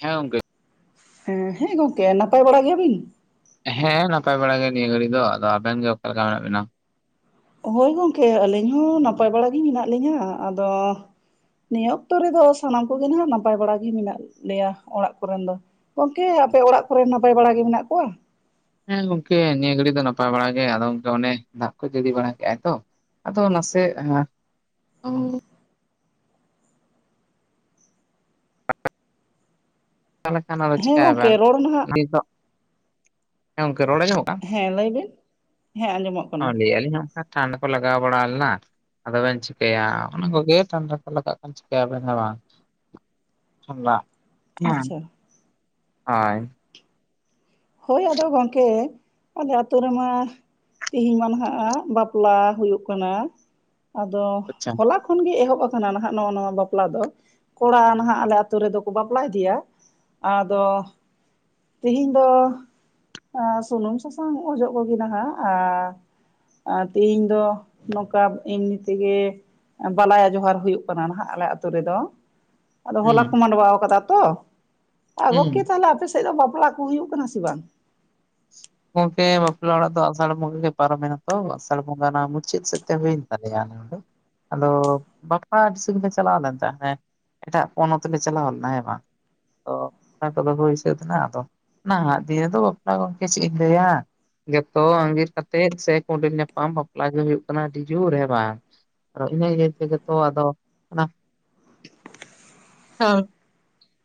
ᱦᱮᱸ ᱜᱚᱝᱠᱮ ᱦᱮᱸ ᱦᱮᱸ ᱜᱚᱝᱠᱮ ᱱᱟᱯᱟᱭ ᱵᱟᱲᱟᱜ ᱜᱮᱭᱟ ᱵᱤᱱ ᱦᱮᱸ ᱱᱟᱯᱟᱭ ᱵᱟᱲᱟ ᱜᱮᱭᱟ ᱱᱤᱭᱟᱹ ᱜᱷᱟᱹᱲᱤ ᱫᱚ ᱟᱫᱚ ᱟᱵᱮᱱ ᱜᱮ ᱚᱠᱟᱞᱮ ᱞᱮᱠᱟ ᱢᱮᱱᱟᱜ ᱵᱮᱱᱟ ᱦᱳᱭ ᱜᱚᱝᱠᱮ ᱟᱹᱞᱤᱧ ᱦᱚᱸ ᱱᱟᱯᱟᱭ ᱵᱟᱲᱟ ᱜᱮ ᱢᱮᱱᱟᱜ ᱞᱤᱧᱟᱹ ᱟᱫᱚ ᱱᱤᱭᱟᱹ ᱚᱠᱛᱚ ᱨᱮᱫᱚ ᱥᱟᱱᱟᱢ ᱠᱚᱜᱮ ᱱᱟᱜ ᱱᱟᱯᱟᱭ ᱵᱟᱲᱟ ᱜᱮ ᱢᱮᱱᱟᱜ ᱞᱮᱭᱟ ᱚᱲᱟᱜ ᱠᱚᱨᱮᱱ ᱫᱚ ᱜᱚᱝᱠᱮ ᱟᱯᱮ ᱚᱲᱟᱜ ᱠᱚᱨᱮ ᱱᱟᱯᱟᱭ ᱵᱟᱲᱟᱟᱜ ᱜᱮ ᱢᱮᱱᱟᱜ ᱠᱚᱣᱟ ᱦᱮᱸ ᱜᱚᱝᱠᱮ ᱱᱤᱭᱟᱹ ᱜᱷᱟᱹᱲᱤ ᱫᱚ ᱱᱟᱯᱟᱭ ᱵᱟᱲᱟ ᱜᱮ ᱟᱫᱚ ᱚᱱᱮ ᱫᱟᱜ ᱠᱚ ᱡᱟᱲᱤ ᱵᱟᱲᱟ ᱠᱮᱫᱟᱭ ᱛᱚ ᱟᱫᱚ ᱱᱟᱥᱮ ᱪᱞᱟᱠᱷᱟᱱᱟ ᱦᱮᱸ ᱜᱚᱝᱠᱮ ᱪᱤᱠᱵᱮᱱ ᱨᱚᱲ ᱱᱟᱦᱟᱜ ᱱ ᱫᱚ [inaudible] ᱸ ᱜᱚᱝᱠᱮ ᱨᱚᱲ ᱟᱸᱡᱚᱢᱚᱜ ᱠᱟᱱ ᱦᱮᱸ ᱞᱟᱹᱭ ᱵᱤᱱ ᱦᱮᱸ ᱟᱸᱡᱚᱢᱚᱜ ᱠᱟᱱᱟ ᱞᱟᱹᱭᱮᱜᱼᱟ ᱞᱤᱧ ᱦᱚᱸ ᱚᱱᱠᱟ ᱴᱰ [inaudible] ᱠᱚ ᱞᱟᱜᱟᱣ ᱵᱟᱲᱟᱞᱱᱟ ᱟᱫᱚ ᱵᱮᱱ ᱪᱤᱠᱟᱹᱭᱟ ᱚᱱᱟ ᱠᱚᱜᱮ ᱴ [inaudible] ᱞᱟᱜᱟᱜ ᱪᱤᱠᱟᱹᱭᱟᱵᱮᱱ ᱵᱟᱝ ᱪ [inaudible] ᱟᱪᱪᱷᱟ ᱦᱭ [inaudible] ᱦᱳᱭ ᱟᱫᱚ ᱜᱚᱢᱠᱮ ᱟᱞᱮ ᱟᱹᱛᱩᱳ ᱨᱮᱢᱟ ᱛᱮᱦᱤᱧ ᱢᱟ ᱱᱟᱦᱟᱜ ᱵᱟᱯᱞᱟ ᱦᱩᱭᱩᱜ ᱠᱟᱱᱟ ᱟᱫᱚ ᱟᱪᱪᱷᱟ ᱦᱚᱞᱟ ᱛᱚᱠᱷ ᱠᱷᱚᱱ ᱜᱮ ᱮᱦᱚᱵ ᱟᱠᱟᱱᱟ ᱱᱟᱦᱟᱜ ᱱᱚᱜᱼ ᱱᱚᱣᱟ ᱵᱟᱯᱞᱟ ᱫᱚ ᱠᱚᱲᱟ ᱱᱟᱦᱟᱜ ᱟᱞᱮ ᱟ ᱟᱹᱛᱩ ᱨᱮᱫᱚ ᱠᱚ ᱵᱟᱯᱞᱟ ᱤᱫᱤᱭᱟ ᱟᱫᱚ ᱛᱮᱦᱤᱧ ᱫᱚ ᱥᱩᱱᱩᱢ ᱥᱟᱥᱟᱝ ᱚᱡᱚᱜ ᱠᱚᱜᱮ ᱱᱟᱦᱟᱜ ᱟᱨ ᱟᱨ ᱛᱮᱦᱤᱧ ᱫᱚ ᱱᱚᱝᱠᱟ ᱮᱢᱱᱤ ᱛᱮᱜᱮ ᱵᱟᱞᱟᱭᱟ ᱡᱚᱦᱟᱨ ᱦᱩᱭᱩᱜ ᱠᱟᱱᱟ ᱱᱟᱦᱟᱜ ᱟᱞᱮ ᱟᱛᱳ ᱨᱮᱫᱚ ᱟᱫᱚ ᱦᱚᱞᱟ ᱦᱩᱸ ᱠᱚ ᱢᱟᱸᱰᱣᱟ ᱟᱠᱟᱫᱟ ᱛᱚ ᱦᱩᱸ ᱜᱚᱝᱠᱮ ᱛᱟᱦᱚᱞᱮ ᱟᱯᱮᱥᱮᱫ ᱫᱚ ᱵᱟᱯᱞᱟᱜ ᱠᱚ ᱦᱩᱭᱩᱜ ᱠᱟᱱᱟ ᱥᱮ ᱵᱟᱝ ᱜᱚᱢᱠᱮ ᱵᱟᱯᱞᱟ ᱚᱲᱟᱜ ᱫᱚ ᱟᱥᱟᱲ ᱵᱚᱸᱜᱟ ᱜᱮ ᱯᱟᱨᱚᱢᱮᱱᱟ ᱛᱚ ᱟᱥᱟᱲ ᱵᱚᱸᱜᱟ ᱚᱱᱟ ᱢᱩᱪᱟᱹᱫ ᱥᱮᱫ ᱛᱮ ᱦᱩᱭᱮᱱ ᱛᱟᱞᱮᱭᱟ ᱟᱫᱚ ᱵᱟᱯᱞᱟ ᱛᱮ ᱪᱟᱞᱟᱣ ᱞᱮᱱ ᱛᱟᱦᱮᱸ ᱦᱮᱸ [unintelligible] ᱮᱴᱟᱜ ᱯᱚᱱᱚᱛ ᱞᱮ ᱪᱟᱞᱟᱣ ᱞᱮᱱᱟ ᱦᱮ ᱵᱟᱝ ᱫᱚ ᱚᱱᱟ ᱠᱚᱫᱚ ᱦᱩᱭ ᱥᱟᱹᱛ ᱮᱱᱟ ᱟᱫᱚ ᱱᱟᱦᱟᱜ ᱫᱤᱱ ᱨᱮᱫᱚ ᱵᱟᱯᱞᱟ ᱜᱚᱢᱠᱮ ᱪᱮᱫ ᱤᱧ ᱞᱟᱹᱭᱟ ᱡᱚᱛᱚ ᱟᱸᱜᱤᱨ ᱠᱟᱛᱮᱜ ᱥᱮ ᱠᱩᱸᱰᱮᱞ ᱧᱟᱯᱟᱢ ᱵᱟᱯᱞᱟ ᱜᱮ ᱦᱩᱭᱩᱜ ᱠᱟᱱᱟ ᱟᱹᱰᱤ ᱡᱳᱨ ᱦᱮ ᱵᱟᱝ ᱟᱨ ᱤᱱᱟᱹ ᱤᱭᱟᱹ ᱛᱮᱜᱮ ᱛᱚ ᱟᱫᱚ ᱚᱱᱟ [unintelligible]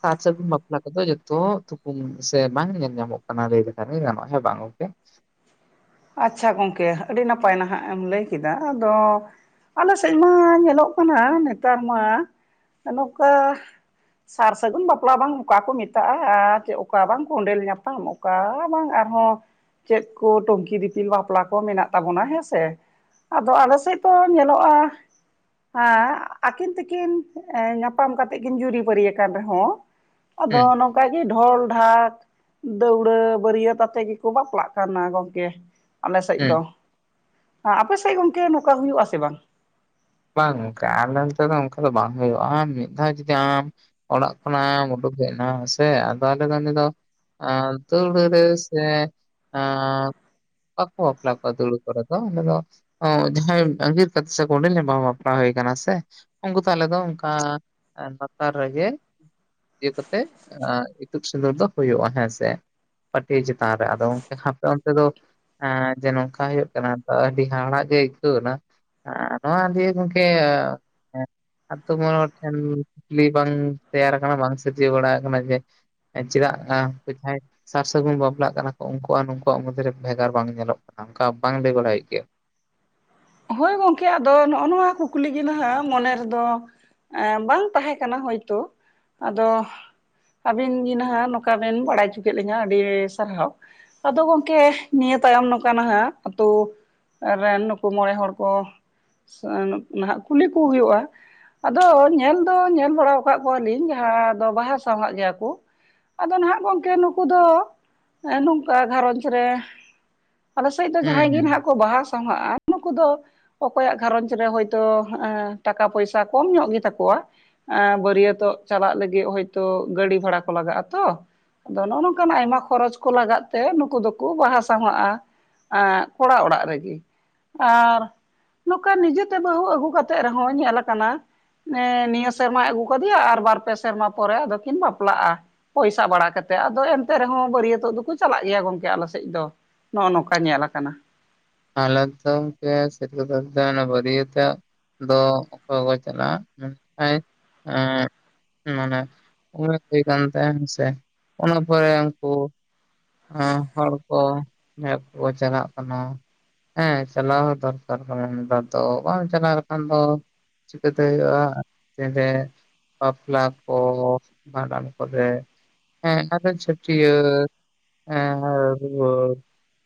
ᱥᱟᱨ ᱥᱟᱹᱜᱩᱱ ᱵᱟᱯᱞᱟ ᱠᱚᱫᱚ ᱡᱚᱛᱚ ᱛᱩᱠᱩᱢ ᱥᱮ ᱵᱟᱝ ᱧᱮᱞᱚᱜ-ᱟ ᱧᱟᱢᱚᱜ ᱠᱟᱱᱟ ᱞᱟᱹᱭ ᱞᱮᱠᱷᱟᱱᱤ ᱜᱟᱱᱚᱜ-ᱟ ᱦᱮᱸ ᱵᱟᱝ ᱜᱚᱝᱠᱮ ᱟᱪᱪᱷᱟ ᱜᱚᱝᱠᱮ ᱟᱹᱰᱤ ᱱᱟᱯᱟᱭ ᱱᱟᱦᱟᱜ ᱮᱢ ᱞᱟᱹᱭ ᱠᱮᱫᱟ ᱟᱫᱚ ᱟᱞᱮ ᱥᱮᱫ ᱢᱟ ᱧᱮᱞᱚᱜ ᱠᱟᱱᱟ ᱱᱮᱛᱟᱨ ᱢᱟ ᱱᱚᱝᱠᱟ ᱥᱟᱨ ᱥᱟᱹᱜᱩᱱ ᱵᱟᱯᱞᱟ ᱵᱟᱝ ᱚᱠᱟ ᱠᱚ ᱢᱮᱛᱟᱜ-ᱟ ᱟᱨ ᱚᱠᱟ ᱵᱟᱝ ᱠᱚᱸᱰᱮᱞ ᱧᱟᱯᱟᱢᱚᱜ ᱠᱟᱱᱟ ᱚᱱᱠᱟ ᱵᱟᱝ ᱟᱨᱦᱚᱸ ᱪᱮᱫ ᱠᱚ ᱴᱚ ᱠᱤᱫᱤ ᱫᱤᱯᱤᱞ ᱵᱟᱯᱞᱟ ᱠᱚ ᱢᱮᱱᱟᱜ ᱛᱟᱵᱚᱱᱟ ᱦᱮᱸᱥᱮ, ᱟᱫᱚ ᱟᱞᱮᱥᱮᱫ ᱫᱚ ᱧᱮᱞᱚᱜ-ᱟ ᱦᱮᱸ ᱟᱹᱠᱤᱱ ᱛᱤᱠᱤᱱ ᱧᱟᱯᱟᱢ ᱠᱟᱛᱮᱜ ᱠᱤᱱ ᱡᱩᱨᱤᱯᱟᱨᱤᱭᱟ ᱟᱠᱟᱱ ᱨᱮᱦᱚᱸ ᱟᱫᱚ ᱦᱩᱸ ᱚᱱᱠᱟ ᱜᱮ ᱰᱷᱚᱞ ᱰᱷᱟᱠ ᱫᱟᱹᱣᱲᱟᱹ ᱵᱟᱹᱨᱭᱟᱹᱛ ᱟᱛᱮ ᱜᱮᱠᱚ ᱵᱟᱯᱞᱟᱜ ᱠᱟᱱᱟ ᱜᱚᱝᱠᱮ ᱟᱞᱮ ᱥᱮᱫ ᱦᱩᱸ ᱫᱚ ᱟᱯᱮᱥᱮᱫ ᱜᱚᱝᱠᱮ ᱱᱚᱝᱠᱟ ᱦᱩᱭᱩᱜ ᱟᱥᱮ ᱵᱟᱝ ᱵᱟᱝ ᱚᱱᱠᱟ ᱟᱞᱮ ᱚᱱᱛᱮ ᱫᱚ ᱚᱱᱠᱟ ᱫᱚ ᱵᱟᱝ ᱦᱩᱭᱩᱜ-ᱟ ᱢᱤᱫ ᱫᱷᱟᱣ ᱡᱩᱫᱤ ᱟᱢ ᱚᱲᱟᱜ ᱠᱷᱚᱱᱟᱢ ᱩᱰᱩᱠ ᱦᱮᱡ ᱮᱱᱟ ᱥᱮ ᱟᱫᱚ ᱟᱞᱮ ᱫᱚ ᱩᱱᱤ ᱫᱚ ᱟᱨᱫᱚᱲ ᱨᱮ ᱥᱮ ᱟᱻ ᱵᱟᱠᱚ ᱵᱟᱯᱞᱟ ᱠᱚᱣᱟ ᱫᱟᱹᱣᱲᱟᱹ ᱠᱚᱨᱮ ᱫᱚ ᱡᱟᱦᱟᱸᱭ ᱟᱸᱜᱤᱨ ᱠᱟᱛᱮ ᱥᱮ ᱠᱚᱸᱰᱮᱞ ᱵᱟᱯᱞᱟ ᱦᱩᱭ ᱟᱠᱟᱱᱟ ᱥᱮ ᱩᱱᱠᱩ ᱛᱟᱦᱞᱮ ᱫᱚ ᱚᱱᱠᱟ ᱞᱟᱛᱟᱨ ᱨᱮᱜᱮ ᱤᱭᱟᱹ ᱠᱟᱛᱮ ᱤᱛᱩᱫ ᱥᱤᱸᱫᱩᱨ ᱫᱚ ᱦᱩᱭᱩᱜ-ᱟ ᱦᱮᱸ ᱥᱮ ᱯᱟᱹᱴᱤ ᱪᱮᱛᱟᱱ ᱨᱮ ᱟᱫᱚ ᱦᱟᱯᱮ ᱚᱱᱛᱮ ᱫᱚ ᱡᱮ ᱱᱚᱝᱠᱟ ᱦᱩᱭᱩᱜ ᱠᱟᱱᱟ ᱟᱹᱰᱤ ᱦᱟᱦᱟᱲᱟᱜ ᱜᱮ ᱟᱹᱭᱠᱟᱹᱣ ᱮᱱᱟ ᱱᱚᱣᱟ ᱫᱤᱭᱮ ᱜᱚᱝᱠᱮ ᱟᱹᱛᱩᱳ ᱢᱚᱬᱮ ᱦᱚᱲ ᱴᱷᱮᱱ ᱠᱩᱠᱞᱤ ᱵᱟᱝ ᱛᱮᱭᱟᱨᱟ ᱟᱠᱟᱱᱟ ᱵᱟᱝ ᱥᱤᱨᱡᱟᱹᱣ ᱵᱟᱲᱟ ᱟᱠᱟᱱᱟ ᱡᱮ ᱪᱮᱫᱟᱜ-ᱟ [unintelligible] ᱥᱟᱨ ᱥᱟᱹᱜᱩᱱ ᱵᱟᱯᱞᱟᱜ ᱠᱟᱱᱟ ᱠᱚ ᱩᱱᱠᱩᱣᱟᱜ ᱱᱩᱠᱩᱣᱟᱜ ᱢᱚᱫᱽᱫᱮᱨᱮ ᱵᱷᱮᱜᱟᱨ ᱵᱟᱝ ᱧᱮᱞᱚᱜ ᱠᱟᱱᱟ ᱚᱱᱠᱟ ᱵᱟᱝ ᱞᱟᱹᱭ ᱵᱟᱲᱟᱭ ᱦᱩᱭᱩᱜ ᱜᱮᱭᱟ ᱦᱳᱭ ᱜᱚᱝᱠᱮ ᱟᱫᱚ ᱱᱚᱜ-ᱚ ᱱᱚᱣᱟ ᱠᱩᱠᱞᱤ ᱜᱮ ᱱᱟᱦᱟᱜ ᱢᱚᱱᱮ ᱨᱮᱫᱚ ᱮ ᱵᱟᱝ ᱛᱟᱦᱮᱸ ᱠᱟᱱᱟ ᱦᱳᱭᱛᱳ ᱟᱫᱚ ᱟᱵᱤᱱ ᱜᱮ ᱱᱟᱦᱟᱜ ᱱᱚᱝᱠᱟ ᱵᱤᱱ ᱵᱟᱲᱟᱭ ᱦᱚᱪᱚ ᱠᱮᱫ ᱞᱤᱧᱟᱹ ᱟᱹᱰᱤ ᱥᱟᱨᱦᱟᱣ ᱟᱫᱚ ᱜᱚᱝᱠᱮ ᱱᱤᱭᱟᱹ ᱛᱟᱭᱚᱢ ᱱᱚᱝᱠᱟ ᱦᱟᱜ ᱟᱛᱳ ᱨᱮᱱ ᱱᱩᱠᱩ ᱢᱚᱬᱮ ᱦᱚᱲ ᱠᱚ ᱱᱟᱦᱟᱜ ᱠᱩᱞᱤ ᱠᱚ ᱦᱩᱭᱩᱜ-ᱟ ᱟᱫᱚ ᱧᱮᱞ ᱫᱚ ᱧᱮᱞ ᱵᱟᱲᱟ ᱟᱠᱟᱫ ᱠᱚᱣᱟᱞᱤᱧ ᱡᱟᱦᱟᱸ ᱫᱚ ᱵᱟᱦᱟ ᱥᱟᱦᱟᱜ ᱜᱮᱭᱟ ᱠᱚ ᱟᱫᱚ ᱱᱟᱦᱟᱜ ᱜᱚᱝᱠᱮ ᱱᱩᱠᱩ ᱫᱚ ᱱᱚᱝᱠᱟ ᱜᱷᱟᱨᱚᱡᱽ ᱨᱮ ᱟᱞᱮᱥᱮᱫ ᱫᱚ ᱦᱩᱸ ᱡᱟᱦᱟᱸᱭ ᱜᱮ ᱦᱩᱸ ᱱᱟᱦᱟᱜ ᱠᱚ ᱵᱟᱦᱟ ᱥᱟᱦᱟᱜ-ᱟ ᱱᱩᱠᱩ ᱫᱚ ᱚᱠᱚᱭᱟᱜ ᱜᱷᱟᱨᱚᱧᱡᱽ ᱨᱮ ᱦᱚᱭᱛᱳ ᱴᱟᱠᱟ ᱯᱚᱭᱥᱟ ᱠᱚᱢ ᱧᱚᱜ ᱜᱮᱛᱟᱠᱚᱣᱟ ᱵᱟᱹᱨᱭᱟᱹᱛᱚᱜ ᱪᱟᱞᱟᱜ ᱞᱟᱹᱜᱤᱫ ᱦᱳᱭᱛᱳ ᱜᱟᱹᱰᱤ ᱵᱷᱟᱲᱟ ᱠᱚ ᱞᱟᱜᱟᱜ ᱟᱛᱚ ᱟᱫᱚ ᱱᱚᱜ-ᱚ ᱱᱚᱝᱠᱟᱱ ᱟᱭᱢᱟ ᱠᱷᱚᱨᱚᱪ ᱠᱚ ᱞᱟᱜᱟᱜ ᱛᱮ ᱱᱩᱠᱩ ᱫᱚᱠᱚ ᱵᱟᱦᱟ ᱥᱟᱦᱟᱜ-ᱟ ᱠᱚᱲᱟ ᱚᱲᱟᱜ ᱨᱮᱜᱮ ᱟᱨ ᱱᱚᱝᱠᱟ ᱱᱤᱡᱮᱛᱮ ᱵᱟᱹᱦᱩ ᱟᱹᱜᱩ ᱠᱟᱛᱮᱜ ᱨᱮᱦᱚᱸ ᱧᱮᱞ ᱟᱠᱟᱱᱟ ᱱᱤᱭᱟᱹ ᱥᱮᱨᱢᱟᱭ ᱟᱹᱜᱩ ᱠᱟᱫᱮᱭᱟ ᱟᱨ ᱵᱟᱨ ᱯᱮ ᱥᱮᱨᱢᱟ ᱯᱚᱨᱮ ᱟᱫᱚᱠᱤᱱ ᱵᱟᱯᱞᱟᱜ-ᱟ ᱯᱚᱭᱥᱟ ᱵᱟᱲᱟ ᱠᱟᱛᱮᱫ ᱟᱫᱚ ᱮᱱᱛᱮ ᱨᱮᱦᱚᱸ ᱵᱟᱹᱨᱭᱟᱹᱛᱚᱜ ᱫᱚᱠᱚ ᱪᱟᱞᱟᱜ ᱜᱮᱭᱟ ᱜᱚᱝᱠᱮ ᱟᱞᱮ ᱥᱮᱫ ᱫᱚ ᱱᱚᱜ-ᱚ ᱱᱚᱝᱠᱟ ᱧᱮᱞ ᱟᱠᱟᱱᱟ ᱟᱞᱮ ᱫᱚ ᱜᱟᱝᱠᱮ [unintelligible] ᱵᱟᱹᱨᱭᱟᱹᱛᱚᱜ ᱫᱚ ᱚᱠᱚᱭᱠᱚ ᱪᱟᱞᱟᱜ-ᱟ ᱢᱮᱱᱠᱷᱟᱱ ᱮᱻᱜ ᱢᱟᱱᱮ ᱩᱢᱮᱨ ᱦᱩᱭ ᱠᱟᱱ ᱛᱟᱭ ᱦᱮᱸᱥᱮ ᱚᱱᱟ ᱯᱚᱨᱮ ᱩᱱᱠᱩ ᱦᱟᱸ ᱦᱚᱲ ᱠᱚ ᱦᱮᱠᱚ ᱪᱟᱞᱟᱜ ᱠᱟᱱᱟ ᱦᱮᱸ ᱪᱟᱞᱟᱣ ᱦᱚᱸ ᱫᱚᱨᱠᱟᱨ ᱠᱟᱱᱟ ᱱᱮᱛᱟᱨ ᱫᱚ ᱵᱟᱝ ᱪᱟᱞᱟᱣ ᱞᱮᱠᱷᱟᱱ ᱫᱚ ᱪᱤᱠᱟᱹᱛᱮ ᱦᱩᱭᱩᱜᱼᱟ ᱵᱟᱯᱞᱟ ᱠᱚ ᱵᱷᱟᱸᱰᱟᱱ ᱠᱚᱨᱮ ᱦᱮᱸ ᱟᱨ ᱪᱷᱟᱹᱴᱭᱟᱹᱨ ᱦᱮᱸ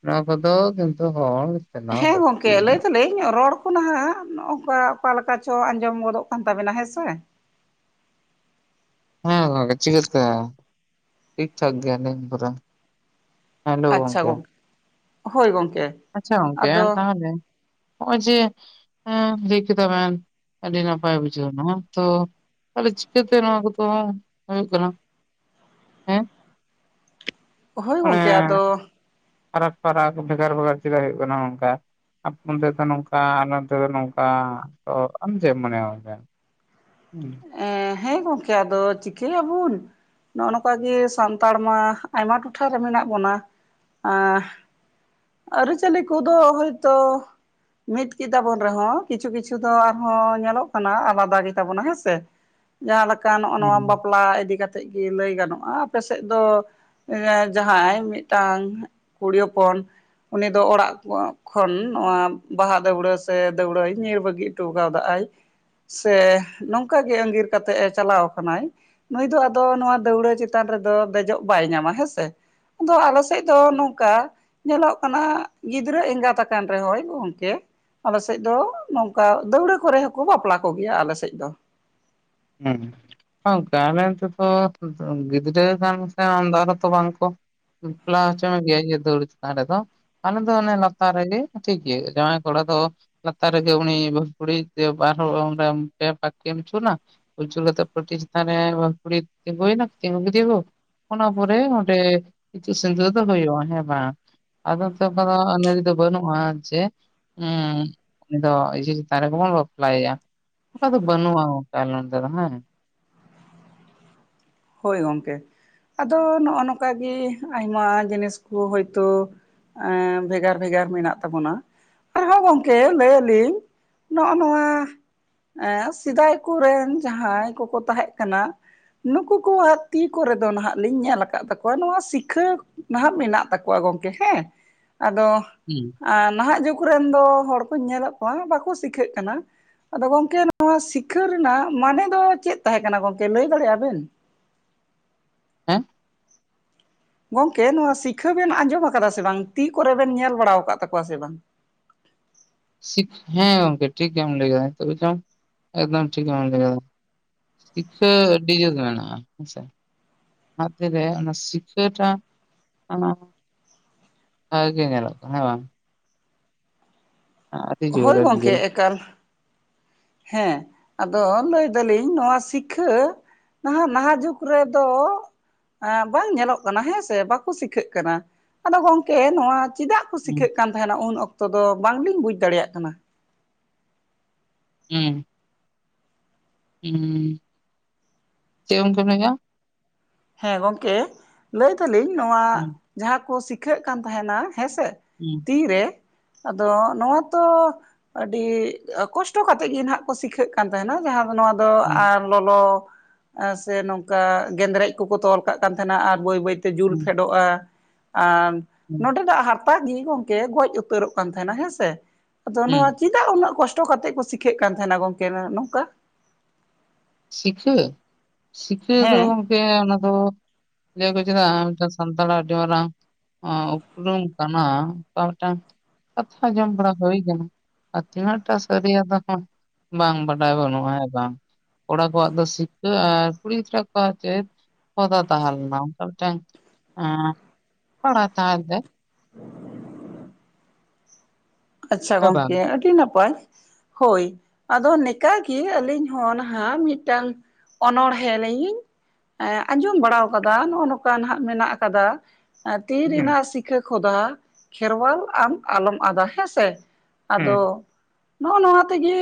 ᱱᱚᱣᱟ ᱠᱚᱫᱚ ᱠᱤᱱᱛᱩ ᱦᱚᱲ ᱪᱟᱞᱟᱣ ᱦᱮᱸ ᱜᱚᱝᱠᱮ ᱞᱟᱹᱭ ᱞᱟᱹᱠᱛᱤᱭᱟᱱᱟ ᱫᱟᱞᱤᱧ ᱨᱚᱲ ᱚᱱᱟᱦᱟᱜ ᱱᱚᱜᱝᱠᱟ ᱚᱠᱟ ᱞᱮᱠᱟ ᱪᱚ ᱟᱸᱡᱚᱢ ᱜᱚᱫᱚᱜ ᱠᱟᱱ ᱛᱟᱵᱮᱱᱟ ᱦᱮᱸ ᱥᱮᱼ ᱦᱮᱸ ᱜᱚᱝᱠᱮ ᱪᱤᱠᱛᱮ ᱴᱷᱤᱠ ᱴᱷᱟᱠ ᱜᱮ [unintelligible] ᱟᱪᱪᱷᱟ ᱜᱚᱝᱠᱮ ᱦᱳᱭ ᱜᱚᱝᱠᱮ ᱟᱪᱪᱷᱟ ᱜᱚᱝᱠᱮ ᱟᱫᱚ ᱛᱟᱦᱮᱞᱮ ᱱᱚᱜ-ᱚᱭ ᱡᱮ ᱦᱮᱸ ᱦᱨᱤᱠᱮᱫᱟᱵᱮᱱ ᱟᱹᱰᱤ ᱱᱟᱯᱟᱭ ᱵᱩᱡᱷᱟᱹᱣᱮᱱᱟ ᱦᱮᱸ ᱛᱚ ᱛᱟᱦᱞᱮ ᱪᱤᱠᱟᱹᱛᱮ ᱱᱚᱣᱟ ᱠᱚᱫᱚ ᱦᱩᱭᱩᱜ ᱠᱟᱱᱟ ᱦᱮᱸ ᱦᱚᱭ ᱚᱱᱮ ᱜᱚᱝᱠᱮ ᱟᱫᱚ ᱯᱷᱟᱨᱟᱠ ᱯᱷᱟᱨᱟᱠ ᱵᱷᱮᱜᱟᱨ ᱵᱷᱮᱜᱟᱨ ᱪᱮᱠᱟ ᱦᱩᱭᱩᱜ ᱠᱟᱱᱟ ᱱᱟᱝᱠᱟ ᱟᱯᱚᱱ ᱛᱮᱫᱚ ᱱᱚᱝᱠᱟ ᱟᱨ ᱱᱚᱛᱮ ᱫᱚ ᱱᱚᱝᱠᱟ ᱛᱚ ᱟᱢ ᱪᱮᱫ ᱮᱢ ᱢᱚᱱᱮ ᱣᱮᱫᱟ ᱦᱩᱸ ᱮᱼᱼ ᱦᱮᱸ ᱜᱚᱝᱠᱮ ᱟᱫᱚ ᱪᱤᱠᱟᱹᱭᱟᱹᱵᱩᱱ ᱱᱚᱜᱼᱚ ᱱᱚᱝᱠᱟᱟᱜᱮ ᱥᱟᱱᱛᱟᱲ ᱢᱟ ᱟᱭᱢᱟ ᱴᱚᱴᱷᱟᱨᱮ ᱢᱮᱱᱟᱜ ᱵᱚᱱᱟ ᱟᱼᱼ ᱟᱹᱨᱤ-ᱪᱟᱹᱞᱤ ᱠᱩᱫᱚ ᱦᱚᱭᱛᱚ ᱢᱤᱫ ᱠᱮᱫᱟᱵᱚᱱ ᱨᱮᱦᱚᱸ ᱠᱤᱪᱷᱩ ᱠᱤᱪᱷᱩ ᱫᱚ ᱟᱨᱦᱚᱸ ᱧᱮᱞᱚᱜ ᱠᱟᱱᱟ ᱟᱞᱟᱫᱟ ᱜᱮ ᱛᱟᱵᱚᱱᱟ ᱦᱮᱸᱥᱮ ᱛᱮ ᱡᱟᱦᱟᱸ ᱞᱮᱠᱟ ᱦᱮᱸ ᱱᱚᱜ-ᱱᱚᱣᱟ ᱵᱟᱯᱞᱟ ᱤᱫᱤ ᱠᱟᱛᱮᱜ ᱜᱮ ᱞᱟᱹᱭ ᱜᱟᱱᱚᱜ-ᱟ ᱟᱯᱮ ᱥᱮᱫ ᱫᱚ ᱨᱮᱸ ᱡᱟᱦᱟᱸᱭ ᱢᱤᱫᱴᱟᱝ ᱠᱩᱲᱤ ᱦᱚᱯᱚᱱ ᱩᱱᱤ ᱫᱚ ᱚᱲᱟᱜ ᱠᱩᱣᱟᱸᱜ ᱠᱷᱚᱱ ᱱᱚᱣᱟ ᱵᱟᱦᱟ ᱫᱟᱹᱣᱲᱟᱹ ᱥᱮ ᱫᱟᱹᱣᱲᱟᱹᱭ ᱧᱤᱨ ᱵᱟᱹᱜᱤ ᱴᱩᱣᱠᱟᱣᱫᱟ-ᱟᱭ ᱥᱮ ᱱᱚᱝᱠᱟ ᱜᱮ ᱟᱸᱜᱤᱨ ᱠᱟᱛᱮᱜ ᱮ ᱪᱟᱞᱟᱣ ᱟᱠᱟᱱᱟᱭ ᱱᱩᱭ ᱫᱚ ᱟᱫᱚ ᱱᱚᱣᱟ ᱫᱟᱹᱣᱲᱟᱹ ᱪᱮᱛᱟᱱ ᱨᱮᱫᱚ ᱫᱮᱡᱚᱜ ᱵᱟᱭ ᱧᱟᱢᱟ ᱦᱮᱸᱥᱮ ᱟᱫᱚ ᱟᱞᱮ ᱥᱮᱫ ᱫᱚ ᱱᱚᱝᱠᱟ ᱧᱮᱞᱚᱜ ᱠᱟᱱᱟ ᱜᱤᱫᱽᱨᱟᱹ ᱮᱸᱜᱟᱛ ᱟᱠᱟᱱ ᱨᱮᱦᱚᱸᱭ ᱜᱚᱝᱠᱮ ᱟᱞᱮᱥᱮᱫ ᱫᱚ ᱱᱚᱝᱠᱟ ᱫᱟᱹᱣᱲᱟᱹ ᱠᱚᱨᱮ ᱦᱚᱸᱠᱚ ᱵᱟᱯᱞᱟ ᱠᱚᱜᱮᱭᱟ ᱟᱞᱮᱥᱮᱫ ᱫᱚ ᱦᱩᱸ ᱜᱚᱝᱠᱮ ᱟᱞᱮ ᱮᱱ ᱛᱮ ᱫᱚ ᱫᱚ ᱜᱤᱫᱽᱨᱟᱹ ᱠᱟᱱ ᱥᱮ ᱟᱢ ᱫᱚ ᱟᱨᱦᱚᱸ ᱛᱚ ᱵᱟᱝᱠᱚ ᱵᱟᱯᱞᱟ ᱦᱚᱪᱟ ᱢᱮᱜᱮᱭᱟᱭ ᱤᱭᱟᱹ ᱫᱟᱹᱣᱨᱟᱹ ᱪᱮᱛᱟᱱ ᱨᱮᱫᱚ ᱟᱞᱮ ᱫᱚ ᱚᱱᱮ ᱞᱟᱛᱟ ᱨᱮᱜᱮ ᱴᱷᱤᱠ ᱜᱮ ᱡᱟᱶᱟᱭ ᱠᱚᱲᱟ ᱫᱚ ᱞᱟᱛᱟᱨ ᱨᱮᱜᱮ ᱩᱱᱤ ᱵᱟᱹᱦᱩ ᱠᱩᱲᱤᱭᱤᱡ ᱛᱮ ᱵᱟᱨ ᱦᱚᱲ ᱩᱱ ᱨᱮ ᱯᱮ ᱯᱟᱠ ᱠᱤᱱ ᱟᱪᱩᱨᱱᱟ ᱾ ᱚᱪᱩᱨ ᱠᱟᱛᱮ ᱯᱟᱴᱭᱹᱪᱮᱛᱟᱱ ᱨᱮ ᱵᱟᱹᱦᱩ ᱠᱩᱲᱤ ᱛᱤᱜᱩᱭᱱᱟ ᱪᱮ ᱛᱤᱸᱜᱩ ᱠᱤᱫᱤᱠᱚ ᱚᱱᱟ ᱯᱚᱨᱮ ᱚᱸᱰᱮ ᱤᱛᱩᱫ-ᱥᱤᱸᱫᱩᱨ ᱫᱚ ᱦᱩᱭᱩᱜ-ᱟ ᱦᱮᱸ ᱵᱟᱝ ᱟᱫᱚ ᱛᱚ ᱯᱟᱨᱟ ᱟᱞᱮ ᱥᱮᱫ ᱫᱚ ᱵᱟᱹᱱᱩᱜ-ᱟ ᱪᱮ [unintelligible] ᱩᱱᱤᱫᱚ ᱤᱡᱤ ᱪᱮᱛᱟᱱ ᱨᱮᱜᱮᱵᱚᱱ ᱵᱟᱯᱞᱟᱭᱭᱟ ᱚᱱᱠᱟ ᱫᱚ ᱵᱟᱹᱱᱩᱜ-ᱟ ᱜᱚᱝᱠᱮ ᱟᱞᱚᱱ ᱨᱟᱦᱟᱸᱭ ᱦᱚᱭ ᱜᱚᱝᱠᱮ ᱟᱫᱚ ᱱᱚᱜ-ᱚ ᱱᱚᱝᱠᱟ ᱜᱮ ᱟᱭᱢᱟ ᱡᱤᱱᱤᱥ ᱠᱚ ᱦᱚᱭᱛᱚ ᱮᱸᱻ ᱵᱷᱮᱜᱟᱨ ᱵᱷᱮᱜᱟᱨ ᱢᱮᱱᱟᱜ ᱛᱟᱵᱚᱱᱟ ᱟᱨᱦᱚᱸ ᱜᱚᱝᱠᱮ ᱞᱟᱹᱭᱟᱹᱞᱤᱧ ᱱᱚᱜᱼᱱᱚᱣᱟ ᱮᱸ ᱥᱮᱫᱟᱭ ᱠᱩᱨᱮᱱ ᱡᱟᱦᱟᱸᱭ ᱠᱚᱠᱚ ᱛᱟᱦᱮᱸᱜ ᱠᱟᱱᱟ ᱱᱩᱠᱩ ᱩᱱᱠᱩᱣᱟᱜ ᱛᱤ ᱠᱚᱨᱮ ᱫᱚ ᱱᱟᱦᱟᱜ ᱞᱤᱧ ᱧᱮᱞ ᱟᱠᱟᱫ ᱛᱟᱠᱚᱣᱟ ᱱᱚᱣᱟ ᱥᱤᱠᱷᱟᱹ ᱱᱟᱦᱟᱜ ᱢᱮᱱᱟᱜ ᱛᱟᱠᱚᱣᱟ ᱜᱚᱝᱠᱮ ᱦᱮᱸ ᱟᱫᱚ ᱦᱩᱸ ᱟ ᱱᱟᱦᱟᱜ ᱡᱩᱜᱽ ᱨᱮᱱ ᱫᱚ ᱦᱚᱲ ᱠᱩᱧ ᱧᱮᱞᱮᱫ ᱠᱚᱣᱟ ᱵᱟᱠᱚ ᱥᱤᱠᱷᱟᱹᱜ ᱠᱟᱱᱟ ᱟᱫᱚ ᱜᱚᱝᱠᱮ ᱱᱚᱣᱟ ᱥᱤᱠᱷᱟᱹ ᱨᱮᱱᱟᱜ ᱢᱟᱱᱮ ᱫᱚ ᱪᱮᱫ ᱛᱟᱦᱮᱸ ᱠᱟᱱᱟ ᱜᱚᱝᱠᱮ ᱞᱟᱹᱭ ᱫᱟᱲᱮᱭᱟᱜ-ᱟ ᱵᱤᱱ ᱦᱮᱸ ᱜᱚᱝᱠᱮ ᱱᱚᱣᱟ ᱥᱤᱠᱷᱟᱹ ᱵᱤᱱ ᱟᱸᱡᱚᱢ ᱟᱠᱟᱫᱟ ᱥᱮ ᱵᱟᱝ ᱛᱤ ᱠᱚᱨᱮ ᱵᱤᱱ ᱧᱮᱞ ᱵᱟᱲᱟ ᱣᱟᱠᱟᱫ ᱛᱟᱠᱚᱣᱟ ᱥᱮ ᱵᱟᱝ ᱥᱤᱠ ᱦᱮᱸ ᱜᱚᱝᱠᱮ ᱴᱷᱤᱠ ᱜᱮᱢ ᱞᱟᱹᱭ ᱠᱮᱫᱟ ᱱᱤᱛᱚᱜ ᱜᱮᱪᱚᱝ ᱮᱠᱫᱚᱢ ᱴᱷᱤᱠ ᱜᱮᱢ ᱞᱟᱹᱭ ᱠᱮᱫᱟ᱾ ᱛᱤᱠᱥᱟᱹ [unintelligible] ᱟᱹᱰᱤ ᱡᱩᱨ ᱜᱮ ᱢᱮᱱᱟᱜ-ᱟ ᱦᱮᱸ ᱥᱮ ᱱᱷᱟᱜ [unintelligible] ᱛᱮᱨᱮ ᱚᱱᱟ ᱥᱤᱠᱷᱟᱹ ᱴᱟ ᱟᱱᱟ ᱵᱷᱟᱹᱜᱤ ᱜᱮ ᱧᱮᱞᱚᱜ ᱠᱟᱱᱟ ᱦᱮᱸ ᱵᱟᱝ ᱟᱹᱰᱤ ᱡᱳᱨ ᱦᱚᱭ ᱟᱹᱰᱤ ᱜᱚᱝᱠᱮ ᱡᱳᱨ ᱮᱠᱟᱞ ᱦᱮᱸ ᱟᱫᱚ ᱞᱟᱹᱭ ᱮᱫᱟᱞᱤᱧ ᱱᱚᱣᱟ ᱥᱤᱠᱷᱟᱹ ᱱᱟᱦᱟᱜ ᱱᱟᱦᱟᱜ ᱡᱩᱜᱽ ᱨᱮᱫᱚ ᱟᱸ ᱵᱟᱝ ᱧᱮᱞᱚᱜ ᱠᱟᱱᱟ ᱦᱮᱸ ᱥᱮ ᱵᱟᱠᱚ ᱥᱤᱠᱷᱟᱹᱜ ᱠᱟᱱᱟ ᱟᱫᱚ ᱜᱚᱝᱠᱮ ᱱᱚᱣᱟ᱾ ᱪᱮᱫᱟᱜ? ᱦᱩᱸ ᱥᱤᱠᱷᱟᱹᱜ ᱠᱟᱱ ᱛᱟᱦᱮᱱᱟ ᱩᱱ ᱚᱠᱛᱚ ᱫᱚ ᱵᱟᱝᱞᱤᱧ ᱵᱩᱡᱽ ᱫᱟᱲᱮᱭᱟᱜ ᱠᱟᱱᱟ᱾ ᱦᱮᱸ ᱦᱩᱸ ᱪᱮᱫ ᱜᱚᱢᱠᱮ ᱢᱮᱱᱮᱜ-ᱟ? ᱦᱮᱸ ᱜᱚᱝᱠᱮ ᱞᱟᱹᱭ ᱫᱟᱞᱤᱧ ᱱᱚᱣᱟ ᱦᱩᱸ ᱡᱟᱦᱟᱸ ᱠᱚ ᱥᱤᱠᱷᱟᱹᱜ ᱠᱟᱱ ᱛᱟᱦᱮᱱᱟ ᱦᱮᱸᱥᱮ ᱦᱩᱸ ᱛᱤ ᱨᱮ ᱟᱫᱚ ᱱᱚᱣᱟ ᱛᱚ ᱟᱹᱰᱤ ᱠᱚᱥᱴᱚ ᱠᱟᱛᱮᱫ ᱜᱮ ᱱᱟᱦᱟᱜ ᱠᱚ ᱥᱤᱠᱷᱟᱹᱜ ᱠᱟᱱ ᱛᱟᱦᱮᱱᱟ ᱡᱟᱦᱟᱸ ᱫᱚ ᱱᱚᱣᱟ ᱦᱩᱸ ᱟᱨ ᱞᱚᱞᱚ ᱥᱮ ᱱᱚᱝᱠᱟ ᱜᱮᱸᱫᱽᱨᱮᱡ ᱠᱚᱠᱚ ᱛᱚᱞ ᱠᱟᱜ ᱠᱟᱱ ᱛᱟᱦᱮᱱᱟ ᱟᱨ ᱵᱟᱹᱭ ᱵᱟᱹᱭᱛᱮ ᱡᱩᱞ ᱦᱩᱸ ᱯᱷᱮᱰᱚᱜᱼᱟ ᱟᱨ ᱦᱩᱸ ᱱᱚᱰᱮᱱᱟᱜ ᱦᱟᱨ ᱛᱟ ᱜᱮ ᱜᱚᱝᱠᱮ ᱜᱚᱡ ᱩᱛᱟᱹᱨᱚᱜ ᱠᱟᱱᱟ ᱛᱟᱦᱮᱱᱟ ᱦᱮᱸᱥᱮ ᱟᱫᱚ ᱦᱩᱸ ᱱᱚᱣᱟ ᱪᱮ ᱛᱟ ᱩᱱᱟᱹᱜ ᱠᱚᱥᱴᱚ ᱠᱟᱛᱮᱜ ᱠᱚ ᱥᱤᱠᱷᱟᱹᱜ ᱠᱟᱱ ᱛᱟᱦᱮᱱᱟ ᱜᱚᱝᱠᱮ ᱱᱚᱝᱠᱟ? ᱥᱤᱸᱠᱷᱟᱹ ᱥᱤᱠᱷᱟᱹ ᱫᱚ ᱦᱮᱸ ᱜᱚᱝᱠᱮ ᱚᱱᱟ ᱫᱚ ᱞᱟᱹᱭ ᱟᱠᱚ ᱪᱮᱛᱟ ᱥᱟᱱᱛᱟᱲ ᱟᱹᱰᱤ ᱢᱟᱨᱟᱝ ᱩᱯᱨᱩᱢ ᱠᱟᱱᱟ ᱚᱱᱠᱟ ᱢᱤᱫᱴᱟᱝ ᱠᱟᱛᱷᱟ ᱡᱚᱢ ᱵᱟᱲᱟ ᱦᱩᱭ ᱠᱟᱱᱟ᱾ ᱛᱤᱱᱟᱜ ᱴᱟᱜ ᱥᱚᱨᱟᱹᱨᱭᱟ ᱫᱚ ᱦᱟᱜ ᱵᱟᱝ ᱵᱟᱰᱟᱭ ᱵᱟᱹᱱᱩᱜᱼᱟ ᱦᱮᱸ ᱵᱟᱝ᱾ ᱠᱚᱲᱟ ᱠᱚᱣᱟᱜ ᱫᱚ ᱥᱤᱠᱷᱟᱹ ᱟᱨ ᱠᱩᱲᱤ ᱜᱤᱫᱽᱨᱟᱹ ᱠᱚᱣᱟᱜ ᱪᱮᱫ ᱠᱚᱫᱟ ᱛᱟᱦᱮᱸ ᱞᱮᱱᱟ ᱚᱱᱠᱟ ᱢᱤᱫᱴᱟᱝ ᱚ ᱠᱚᱲᱟᱭ ᱛᱟᱦᱮᱱ ᱛᱮ ᱟᱪᱪᱷᱟ ᱦᱮᱸ ᱵᱟᱝ ᱜᱚᱝᱠᱮ ᱟᱹᱰᱤ ᱱᱟᱯᱟᱭ ᱦᱳᱭ ᱟᱫᱚ ᱱᱮᱠᱟᱜᱮ ᱟᱹᱞᱤᱧ ᱦᱚᱸ ᱱᱟᱦᱟᱜ ᱢᱤᱫᱴᱟᱝ ᱚᱱᱚᱬᱦᱮᱸ ᱞᱤᱧ ᱮ ᱟᱸᱡᱚᱢ ᱵᱟᱲᱟ ᱠᱟᱫᱟ ᱱᱚᱜᱼᱚ ᱱᱚᱝᱠᱟ ᱦᱟᱸᱜ ᱢᱮᱱᱟᱜ ᱠᱟᱫᱟ᱾ ᱛᱤ ᱦᱩᱸ ᱨᱮᱱᱟᱜ ᱥᱤᱠᱷᱟᱹ ᱠᱷᱚᱫᱟ ᱠᱷᱮᱨᱣᱟᱞ ᱟᱢ ᱟᱞᱚᱢ ᱟᱫᱟ ᱦᱮᱸᱥᱮ ᱟᱫᱚ ᱦᱩᱸ ᱱᱚᱜᱼᱚ ᱱᱚᱣᱟ ᱛᱮᱜᱮ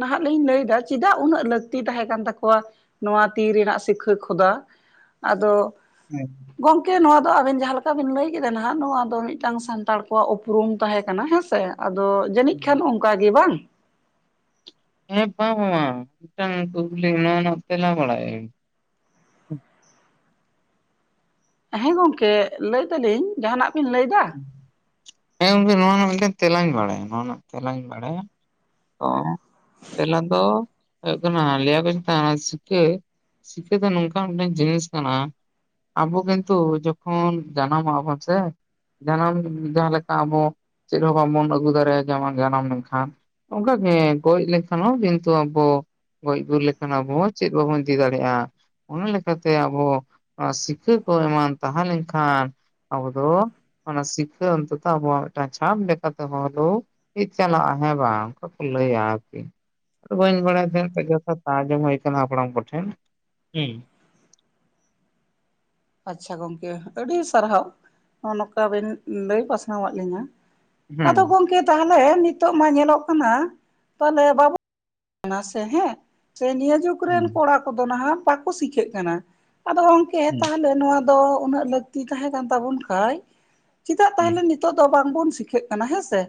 ᱱᱟᱦᱟᱜ ᱞᱤᱧ ᱞᱟᱹᱭᱫᱟ ᱪᱮᱫᱟᱜ ᱩᱱᱟᱹᱜ ᱞᱟᱹᱠᱛᱤ ᱛᱟᱦᱮᱸ ᱠᱟᱱ ᱛᱟᱠᱚᱣᱟ᱾ ᱱᱚᱣᱟ ᱛᱤ ᱨᱮᱱᱟᱜ ᱥᱤᱠᱷᱟᱹ ᱠᱷᱚᱫᱟ ᱟᱫᱚ ᱦᱮᱸ ᱜᱚᱝᱠᱮ ᱱᱚᱣᱟ ᱫᱚ ᱟᱵᱤᱱ ᱡᱟᱦᱟᱸ ᱞᱮᱠᱟ ᱵᱤᱱ ᱞᱟᱹᱭ ᱠᱮᱫᱟ ᱱᱟᱦᱟᱜ ᱱᱚᱣᱟ ᱫᱚ ᱢᱤᱫᱴᱟᱝ ᱥᱟᱱᱛᱟᱲ ᱠᱚᱣᱟᱜ ᱩᱯᱨᱩᱢ ᱛᱟᱦᱮᱸ ᱠᱟᱱᱟ ᱦᱮᱸᱥᱮ ᱟᱫᱚ ᱡᱟᱹᱱᱤᱡ ᱦᱩᱸ ᱠᱷᱟᱱ ᱚᱱᱠᱟ ᱜᱮ ᱵᱟᱝ ᱦᱮᱸ ᱯᱟ ᱯᱟᱲᱟᱝ ᱢᱤᱫᱴᱟᱝ ᱠᱩᱠᱞᱤ [unintelligible] ᱦᱮᱸ ᱜᱚᱝᱠᱮ ᱞᱟᱹᱭ ᱫᱟᱞᱤᱧ ᱡᱟᱦᱟᱸᱱᱟᱜ ᱵᱤᱱ ᱞᱟᱹᱭ ᱮᱫᱟ᱾ ᱦᱮᱸ ᱜᱚᱝᱠᱮ ᱱᱚᱣᱟ ᱨᱮᱱᱟᱜ ᱢᱤᱫᱴᱮᱱ ᱛᱮᱞᱟᱧ ᱵᱟᱲᱟᱭᱟ ᱱᱚᱣᱟ ᱨᱮᱱᱟᱜ ᱛᱮᱞᱟᱧ ᱵᱟᱲᱟᱭᱟ᱾ ᱚ ᱛᱮᱞᱟ ᱫᱚ ᱦᱩᱭᱩᱜ ᱠᱟᱱᱟ ᱞᱟᱹᱭ ᱵᱮᱱ ᱛᱟᱦᱮᱜ-ᱟ ᱥᱤᱠᱷᱟᱹ ᱥᱤᱠᱟᱹ ᱠᱚ ᱱᱚᱝᱠᱟᱱ ᱢᱤᱫᱴᱮᱱ ᱡᱤᱱᱤᱥ ᱠᱟᱱᱟ᱾ ᱟᱵᱚ ᱠᱤᱱᱛᱩ ᱡᱚᱠᱷᱚᱱ ᱡᱟᱱᱟᱢᱚᱜᱽ ᱟᱵᱚᱱ ᱥᱮ ᱡᱟᱱᱟᱢ ᱡᱟᱦᱟᱸ ᱞᱮᱠᱟ ᱟᱵᱚ ᱪᱮᱫ ᱦᱚᱸ ᱵᱟᱝᱵᱚᱱ ᱟᱹᱜᱩ ᱫᱟᱲᱮᱭᱟᱜᱼᱟ ᱡᱮ ᱡᱟᱱᱟᱢ ᱞᱮᱝᱠᱷᱟᱱ ᱚᱝᱠᱟᱜᱮ ᱜᱚᱡ ᱞᱮᱠᱷᱟᱱ ᱦᱚᱸ ᱠᱤᱱᱛᱩ ᱟᱵᱚ ᱜᱚᱡ ᱜᱩᱨ ᱞᱮᱠᱷᱟᱱ ᱟᱵᱚ ᱪᱮᱫ ᱵᱟᱵᱚᱱ ᱤᱫᱤ ᱫᱟᱲᱮᱭᱟᱜᱼᱟ᱾ ᱚᱱᱟ ᱞᱮᱠᱟᱛᱮ ᱟᱵᱚ ᱱᱚᱣᱟ ᱥᱤᱠᱷᱟᱹ ᱠᱚ ᱮᱢᱟᱱ ᱛᱟᱦᱮᱸ ᱞᱮᱱᱠᱷᱟᱱ ᱟᱵᱚ ᱫᱚ ᱚᱱᱟ ᱥᱤᱠᱷᱟᱹ ᱚᱱᱛᱚᱛᱚ ᱟᱵᱚᱣᱟᱜ ᱢᱤᱫᱴᱟᱱ ᱪᱷᱟᱯ ᱞᱮᱠᱟᱛᱮ ᱦᱚᱲ ᱫᱚ ᱪᱟᱞᱟᱜᱼᱟ ᱦᱮᱸ ᱵᱟᱝ ᱚᱱᱠᱟ ᱠᱚ ᱞᱟᱹᱭᱟ ᱟᱨ ᱠᱤ ᱟᱫᱚ ᱵᱟᱹᱧ ᱵᱟᱲᱟᱭ ᱛᱟᱦᱮᱫ ᱡᱷᱟ ᱟᱡᱚᱢ ᱦᱩᱭ ᱠᱟᱱᱟ ᱦᱟᱯᱲᱟᱢ ᱠᱚᱴᱷᱮᱱ ᱦᱮᱸ ᱟᱪᱪᱷᱟ ᱜᱚᱝᱠᱮ ᱟᱹᱰᱤ ᱥᱟᱨᱦᱟᱣ ᱱᱚᱜ ᱱᱚᱝᱠᱟ ᱵᱤᱱ ᱞᱟᱹᱭ ᱯᱟᱥᱱᱟᱣ ᱟᱫ ᱞᱤᱧᱟᱹ ᱟᱫᱚ ᱦᱩᱸ ᱜᱚᱝᱠᱮ ᱛᱟᱦᱚᱞᱮ ᱱᱤᱛᱚᱜ ᱢᱟ ᱧᱮᱞᱚᱜ ᱠᱟᱱᱟ ᱛᱟᱦᱞᱮ ᱵᱟᱵᱩ ᱥᱮ ᱦᱮᱸ ᱥᱮ ᱱᱤᱭᱟᱹ ᱡᱩᱜᱽ ᱠᱚ ᱦᱩᱸ ᱨᱮᱱ ᱠᱚᱲᱟ ᱠᱚᱫᱚ ᱱᱟᱦᱟᱜ ᱵᱟᱠᱚ ᱥᱤᱠᱷᱟᱹᱜ ᱠᱟᱱᱟ ᱟᱫᱚ ᱜᱚᱢᱠᱮ ᱛᱟᱦᱚᱞᱮ ᱱᱚᱣᱟ ᱫᱚ ᱩᱱᱟᱹᱜ ᱞᱟᱹᱠᱛᱤ ᱛᱟᱦᱮᱸ ᱠᱟᱱ ᱛᱟᱵᱚᱱ ᱠᱷᱟᱡ ᱪᱮᱫᱟᱜ ᱦᱩᱸ ᱛᱟᱦᱚᱞᱮ ᱱᱤᱛ ᱤᱛᱚᱜ ᱫᱚ ᱵᱟᱝᱵᱚᱱ ᱥᱤᱠᱷᱟᱹᱜ ᱠᱟᱱᱟ ᱦᱮᱸ ᱥᱮ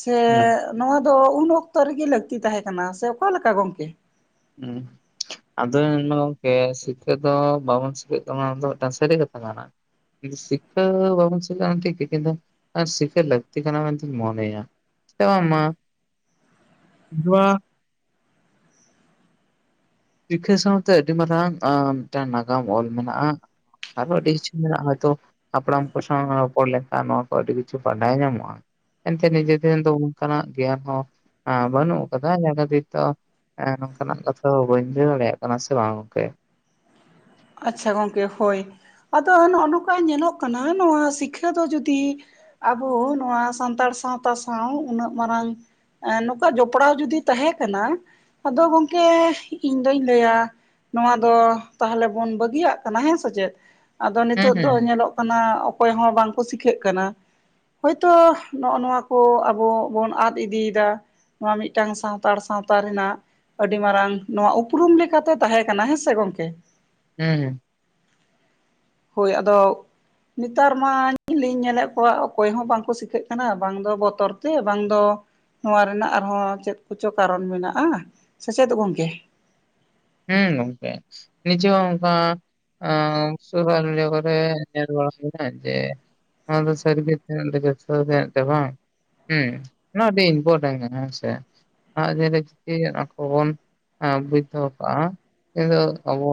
ᱥᱮ ᱦᱩᱸ ᱱᱚᱣᱟ ᱫᱚ ᱩᱱ ᱚᱠᱛᱚ ᱨᱤᱜᱤ ᱞᱟᱹᱠᱛᱤ ᱛᱟᱦᱮᱸ ᱠᱟᱱᱟ ᱥᱮ ᱚᱠᱟᱞᱮᱠᱟ ᱜᱚᱝᱠᱮ ᱦᱩᱸ ᱟᱫᱚ ᱧᱮᱞᱢᱮ ᱜᱚᱝᱠᱮ ᱥᱤᱠᱷᱠᱟᱹ ᱫᱚ ᱵᱟᱵᱚᱱ ᱥᱤᱠᱟᱹᱜ ᱠᱟᱱᱟ ᱫᱚ ᱢᱤᱫᱴᱟᱝ ᱥᱟᱹᱨᱤ ᱠᱟᱛᱷᱟ ᱠᱟᱱᱟ ᱥᱤᱠᱷᱟᱹ ᱵᱟᱵᱚᱱ ᱥᱤᱠᱟ ᱴᱷᱤᱠ ᱜᱤ ᱠᱤᱱᱛᱩ ᱟᱨ ᱥᱤᱠᱷᱟᱹ ᱞᱟᱹᱠᱛᱤ ᱠᱟᱱᱟ ᱢᱮᱱᱛᱤᱧ ᱢᱚᱱᱮᱭᱟ [unintelligible] ᱨᱤᱠᱷᱟᱹ ᱥᱟᱶᱛᱮ ᱟᱹᱰᱤ ᱢᱟᱨᱟᱝ ᱟ ᱢᱤᱫᱴᱟ ᱱᱟᱜᱟᱢ ᱚᱞ ᱢᱮᱱᱟᱜᱼᱟ ᱟᱨᱚ ᱟᱹᱰᱤ ᱠᱤᱪᱷᱩ ᱢᱮᱱᱟᱜ-ᱟ ᱦᱚᱭᱛᱚ ᱦᱟᱯᱲᱟᱢ ᱠᱚ ᱥᱟᱶ ᱨᱚᱯᱚᱲ ᱞᱮᱠᱷᱟᱱ ᱱᱚᱣᱟ ᱠᱚ ᱟᱹᱰᱤ ᱠᱤᱪᱷᱩ ᱵᱟᱰᱟᱭ ᱧᱟᱢᱚᱜᱼᱟ ᱮᱱᱛᱮ ᱱᱤᱡᱮ ᱴᱷᱮᱱ ᱫᱚ ᱚᱝᱠᱟᱱᱟᱜ ᱜᱮᱭᱟᱱ ᱦᱚ ᱵᱟᱹᱱᱩᱜ ᱟᱠᱟᱫᱟ ᱡᱟᱸᱦᱟ ᱠᱷᱛᱤᱨ ᱛᱚ ᱦᱮᱸ ᱱᱚᱝᱠᱟᱱᱟᱜ ᱠᱟᱛᱷᱟ ᱫᱚ ᱵᱟᱹᱧ ᱞᱟᱹᱭ ᱫᱟᱲᱮᱭᱟᱜ ᱠᱟᱱᱟ ᱥᱮ ᱵᱟᱝ ᱜᱚᱝᱠᱮ ᱟᱪᱪᱷᱟ ᱜᱚᱝᱠᱮ ᱦᱳᱭ ᱟᱫᱚ ᱱᱚᱜ ᱱᱚᱝᱠᱟ ᱧᱮᱞᱚᱜ ᱠᱟᱱᱟ ᱱᱚᱣᱟ ᱥᱤᱠᱷᱟᱹ ᱫᱚ ᱡᱩᱫᱤ ᱟᱵᱚ ᱱᱚᱣᱟ ᱥᱟᱱᱛᱟᱲ ᱥᱟᱶᱛᱟ ᱥᱟᱶ ᱩᱱᱟᱹᱜ ᱢᱟᱨᱟᱝ ᱮᱸ ᱱᱚᱠᱟ ᱡᱚᱯᱲᱟᱣ ᱡᱚᱫᱤ ᱛᱟᱦᱮ ᱠᱟᱱᱟ ᱟᱫᱚ ᱜᱚᱝᱠᱮ ᱤᱧ ᱫᱩᱧ ᱞᱟᱹᱭᱟ ᱱᱚᱣᱟ ᱫᱚ ᱛᱟᱦᱞᱮ ᱵᱚᱱ ᱵᱟᱹᱜᱤᱭᱟᱜ ᱠᱟᱱᱟ ᱦᱮᱸ ᱥᱮ ᱪᱮᱫ ᱟᱫᱚ ᱦᱩᱸ ᱱᱤᱛᱚᱜ ᱫᱚ ᱦᱩᱸ ᱧᱮᱞᱚᱜ ᱠᱟᱱᱟ ᱚᱠᱚᱭ ᱦᱚᱸ ᱵᱟᱝᱠᱚ ᱥᱤᱠᱷᱟᱹᱜ ᱠᱟᱱᱟ ᱦᱳᱭᱛᱳ ᱱᱚᱜᱼᱚ ᱱᱚᱣᱟ ᱠᱚ ᱟᱵᱚ ᱵᱚᱱ ᱟᱫ ᱤᱫᱤᱭᱮᱫᱟ ᱱᱚᱣᱟ ᱢᱤᱫᱴᱟᱝ ᱥᱟᱣᱛᱟᱲ ᱥᱟᱶᱛᱟ ᱨᱮᱱᱟᱜ ᱟᱹᱰᱤ ᱢᱟᱨᱟᱝ ᱱᱚᱣᱟ ᱩᱯᱨᱩᱢ ᱞᱤᱠᱟᱛᱮ ᱛᱟᱦᱮᱸ ᱠᱟᱱᱟ ᱦᱮᱸ ᱥᱮ ᱜᱚᱝᱠᱮ ᱦᱮᱸ ᱦᱮᱸ ᱦᱳᱭ ᱟᱫᱚ ᱱᱮᱛᱟᱨ ᱢᱟ [inaudible] ᱞᱤᱧ ᱧᱮᱞᱮᱫ ᱠᱚᱣᱟ ᱚᱠᱚᱭ ᱦᱚᱸ ᱵᱟᱝᱠᱚ ᱥᱤᱠᱷᱟᱹᱜ ᱠᱟᱱᱟ ᱵᱟᱝ ᱫᱚ ᱵᱚᱛᱚᱨ ᱛᱮ ᱵᱟᱝ ᱫᱚ ᱱᱚᱣᱟ ᱨᱮᱱᱟᱜ ᱟᱨᱦᱚᱸ ᱪᱮᱫ ᱠᱚᱪᱚ ᱠᱟᱨᱚᱱ ᱢᱮᱱᱟᱜᱼᱟ ᱥᱮ ᱪᱮᱫ ᱜᱚᱝᱠᱮ ᱦᱩᱸ ᱱᱚᱝᱠᱮ ᱱᱤᱡ ᱚᱝᱠᱟ [unintelligible] ᱠᱚᱨᱮ ᱧᱮᱞ ᱵᱟᱲᱟ ᱦᱩᱭ ᱱᱟ ᱪᱮ ᱚᱱᱟᱫᱚ ᱥᱟᱹᱨᱤᱜᱮ [unintelligible] ᱵᱮᱥ ᱛᱚ ᱨᱮ ᱛᱟᱦᱮᱜ ᱠᱟᱱᱟ ᱵᱟ ᱦᱩᱸ ᱱᱚᱣᱟ ᱟᱹᱰᱤ ᱵᱚ ᱛᱟᱦᱮ ᱠᱟᱱᱟ ᱦᱮᱸ ᱥᱮ ᱟᱫᱷᱟ ᱫᱤᱱ ᱨᱮ ᱪᱤᱠᱟᱹᱭ ᱦᱩᱭᱩᱜ-ᱟ ᱟᱠᱚ ᱵᱚᱱ ᱵᱩᱡ ᱫᱚᱦᱚᱠᱟᱜ-ᱟ ᱱᱤᱛᱚᱜ ᱟᱵᱚ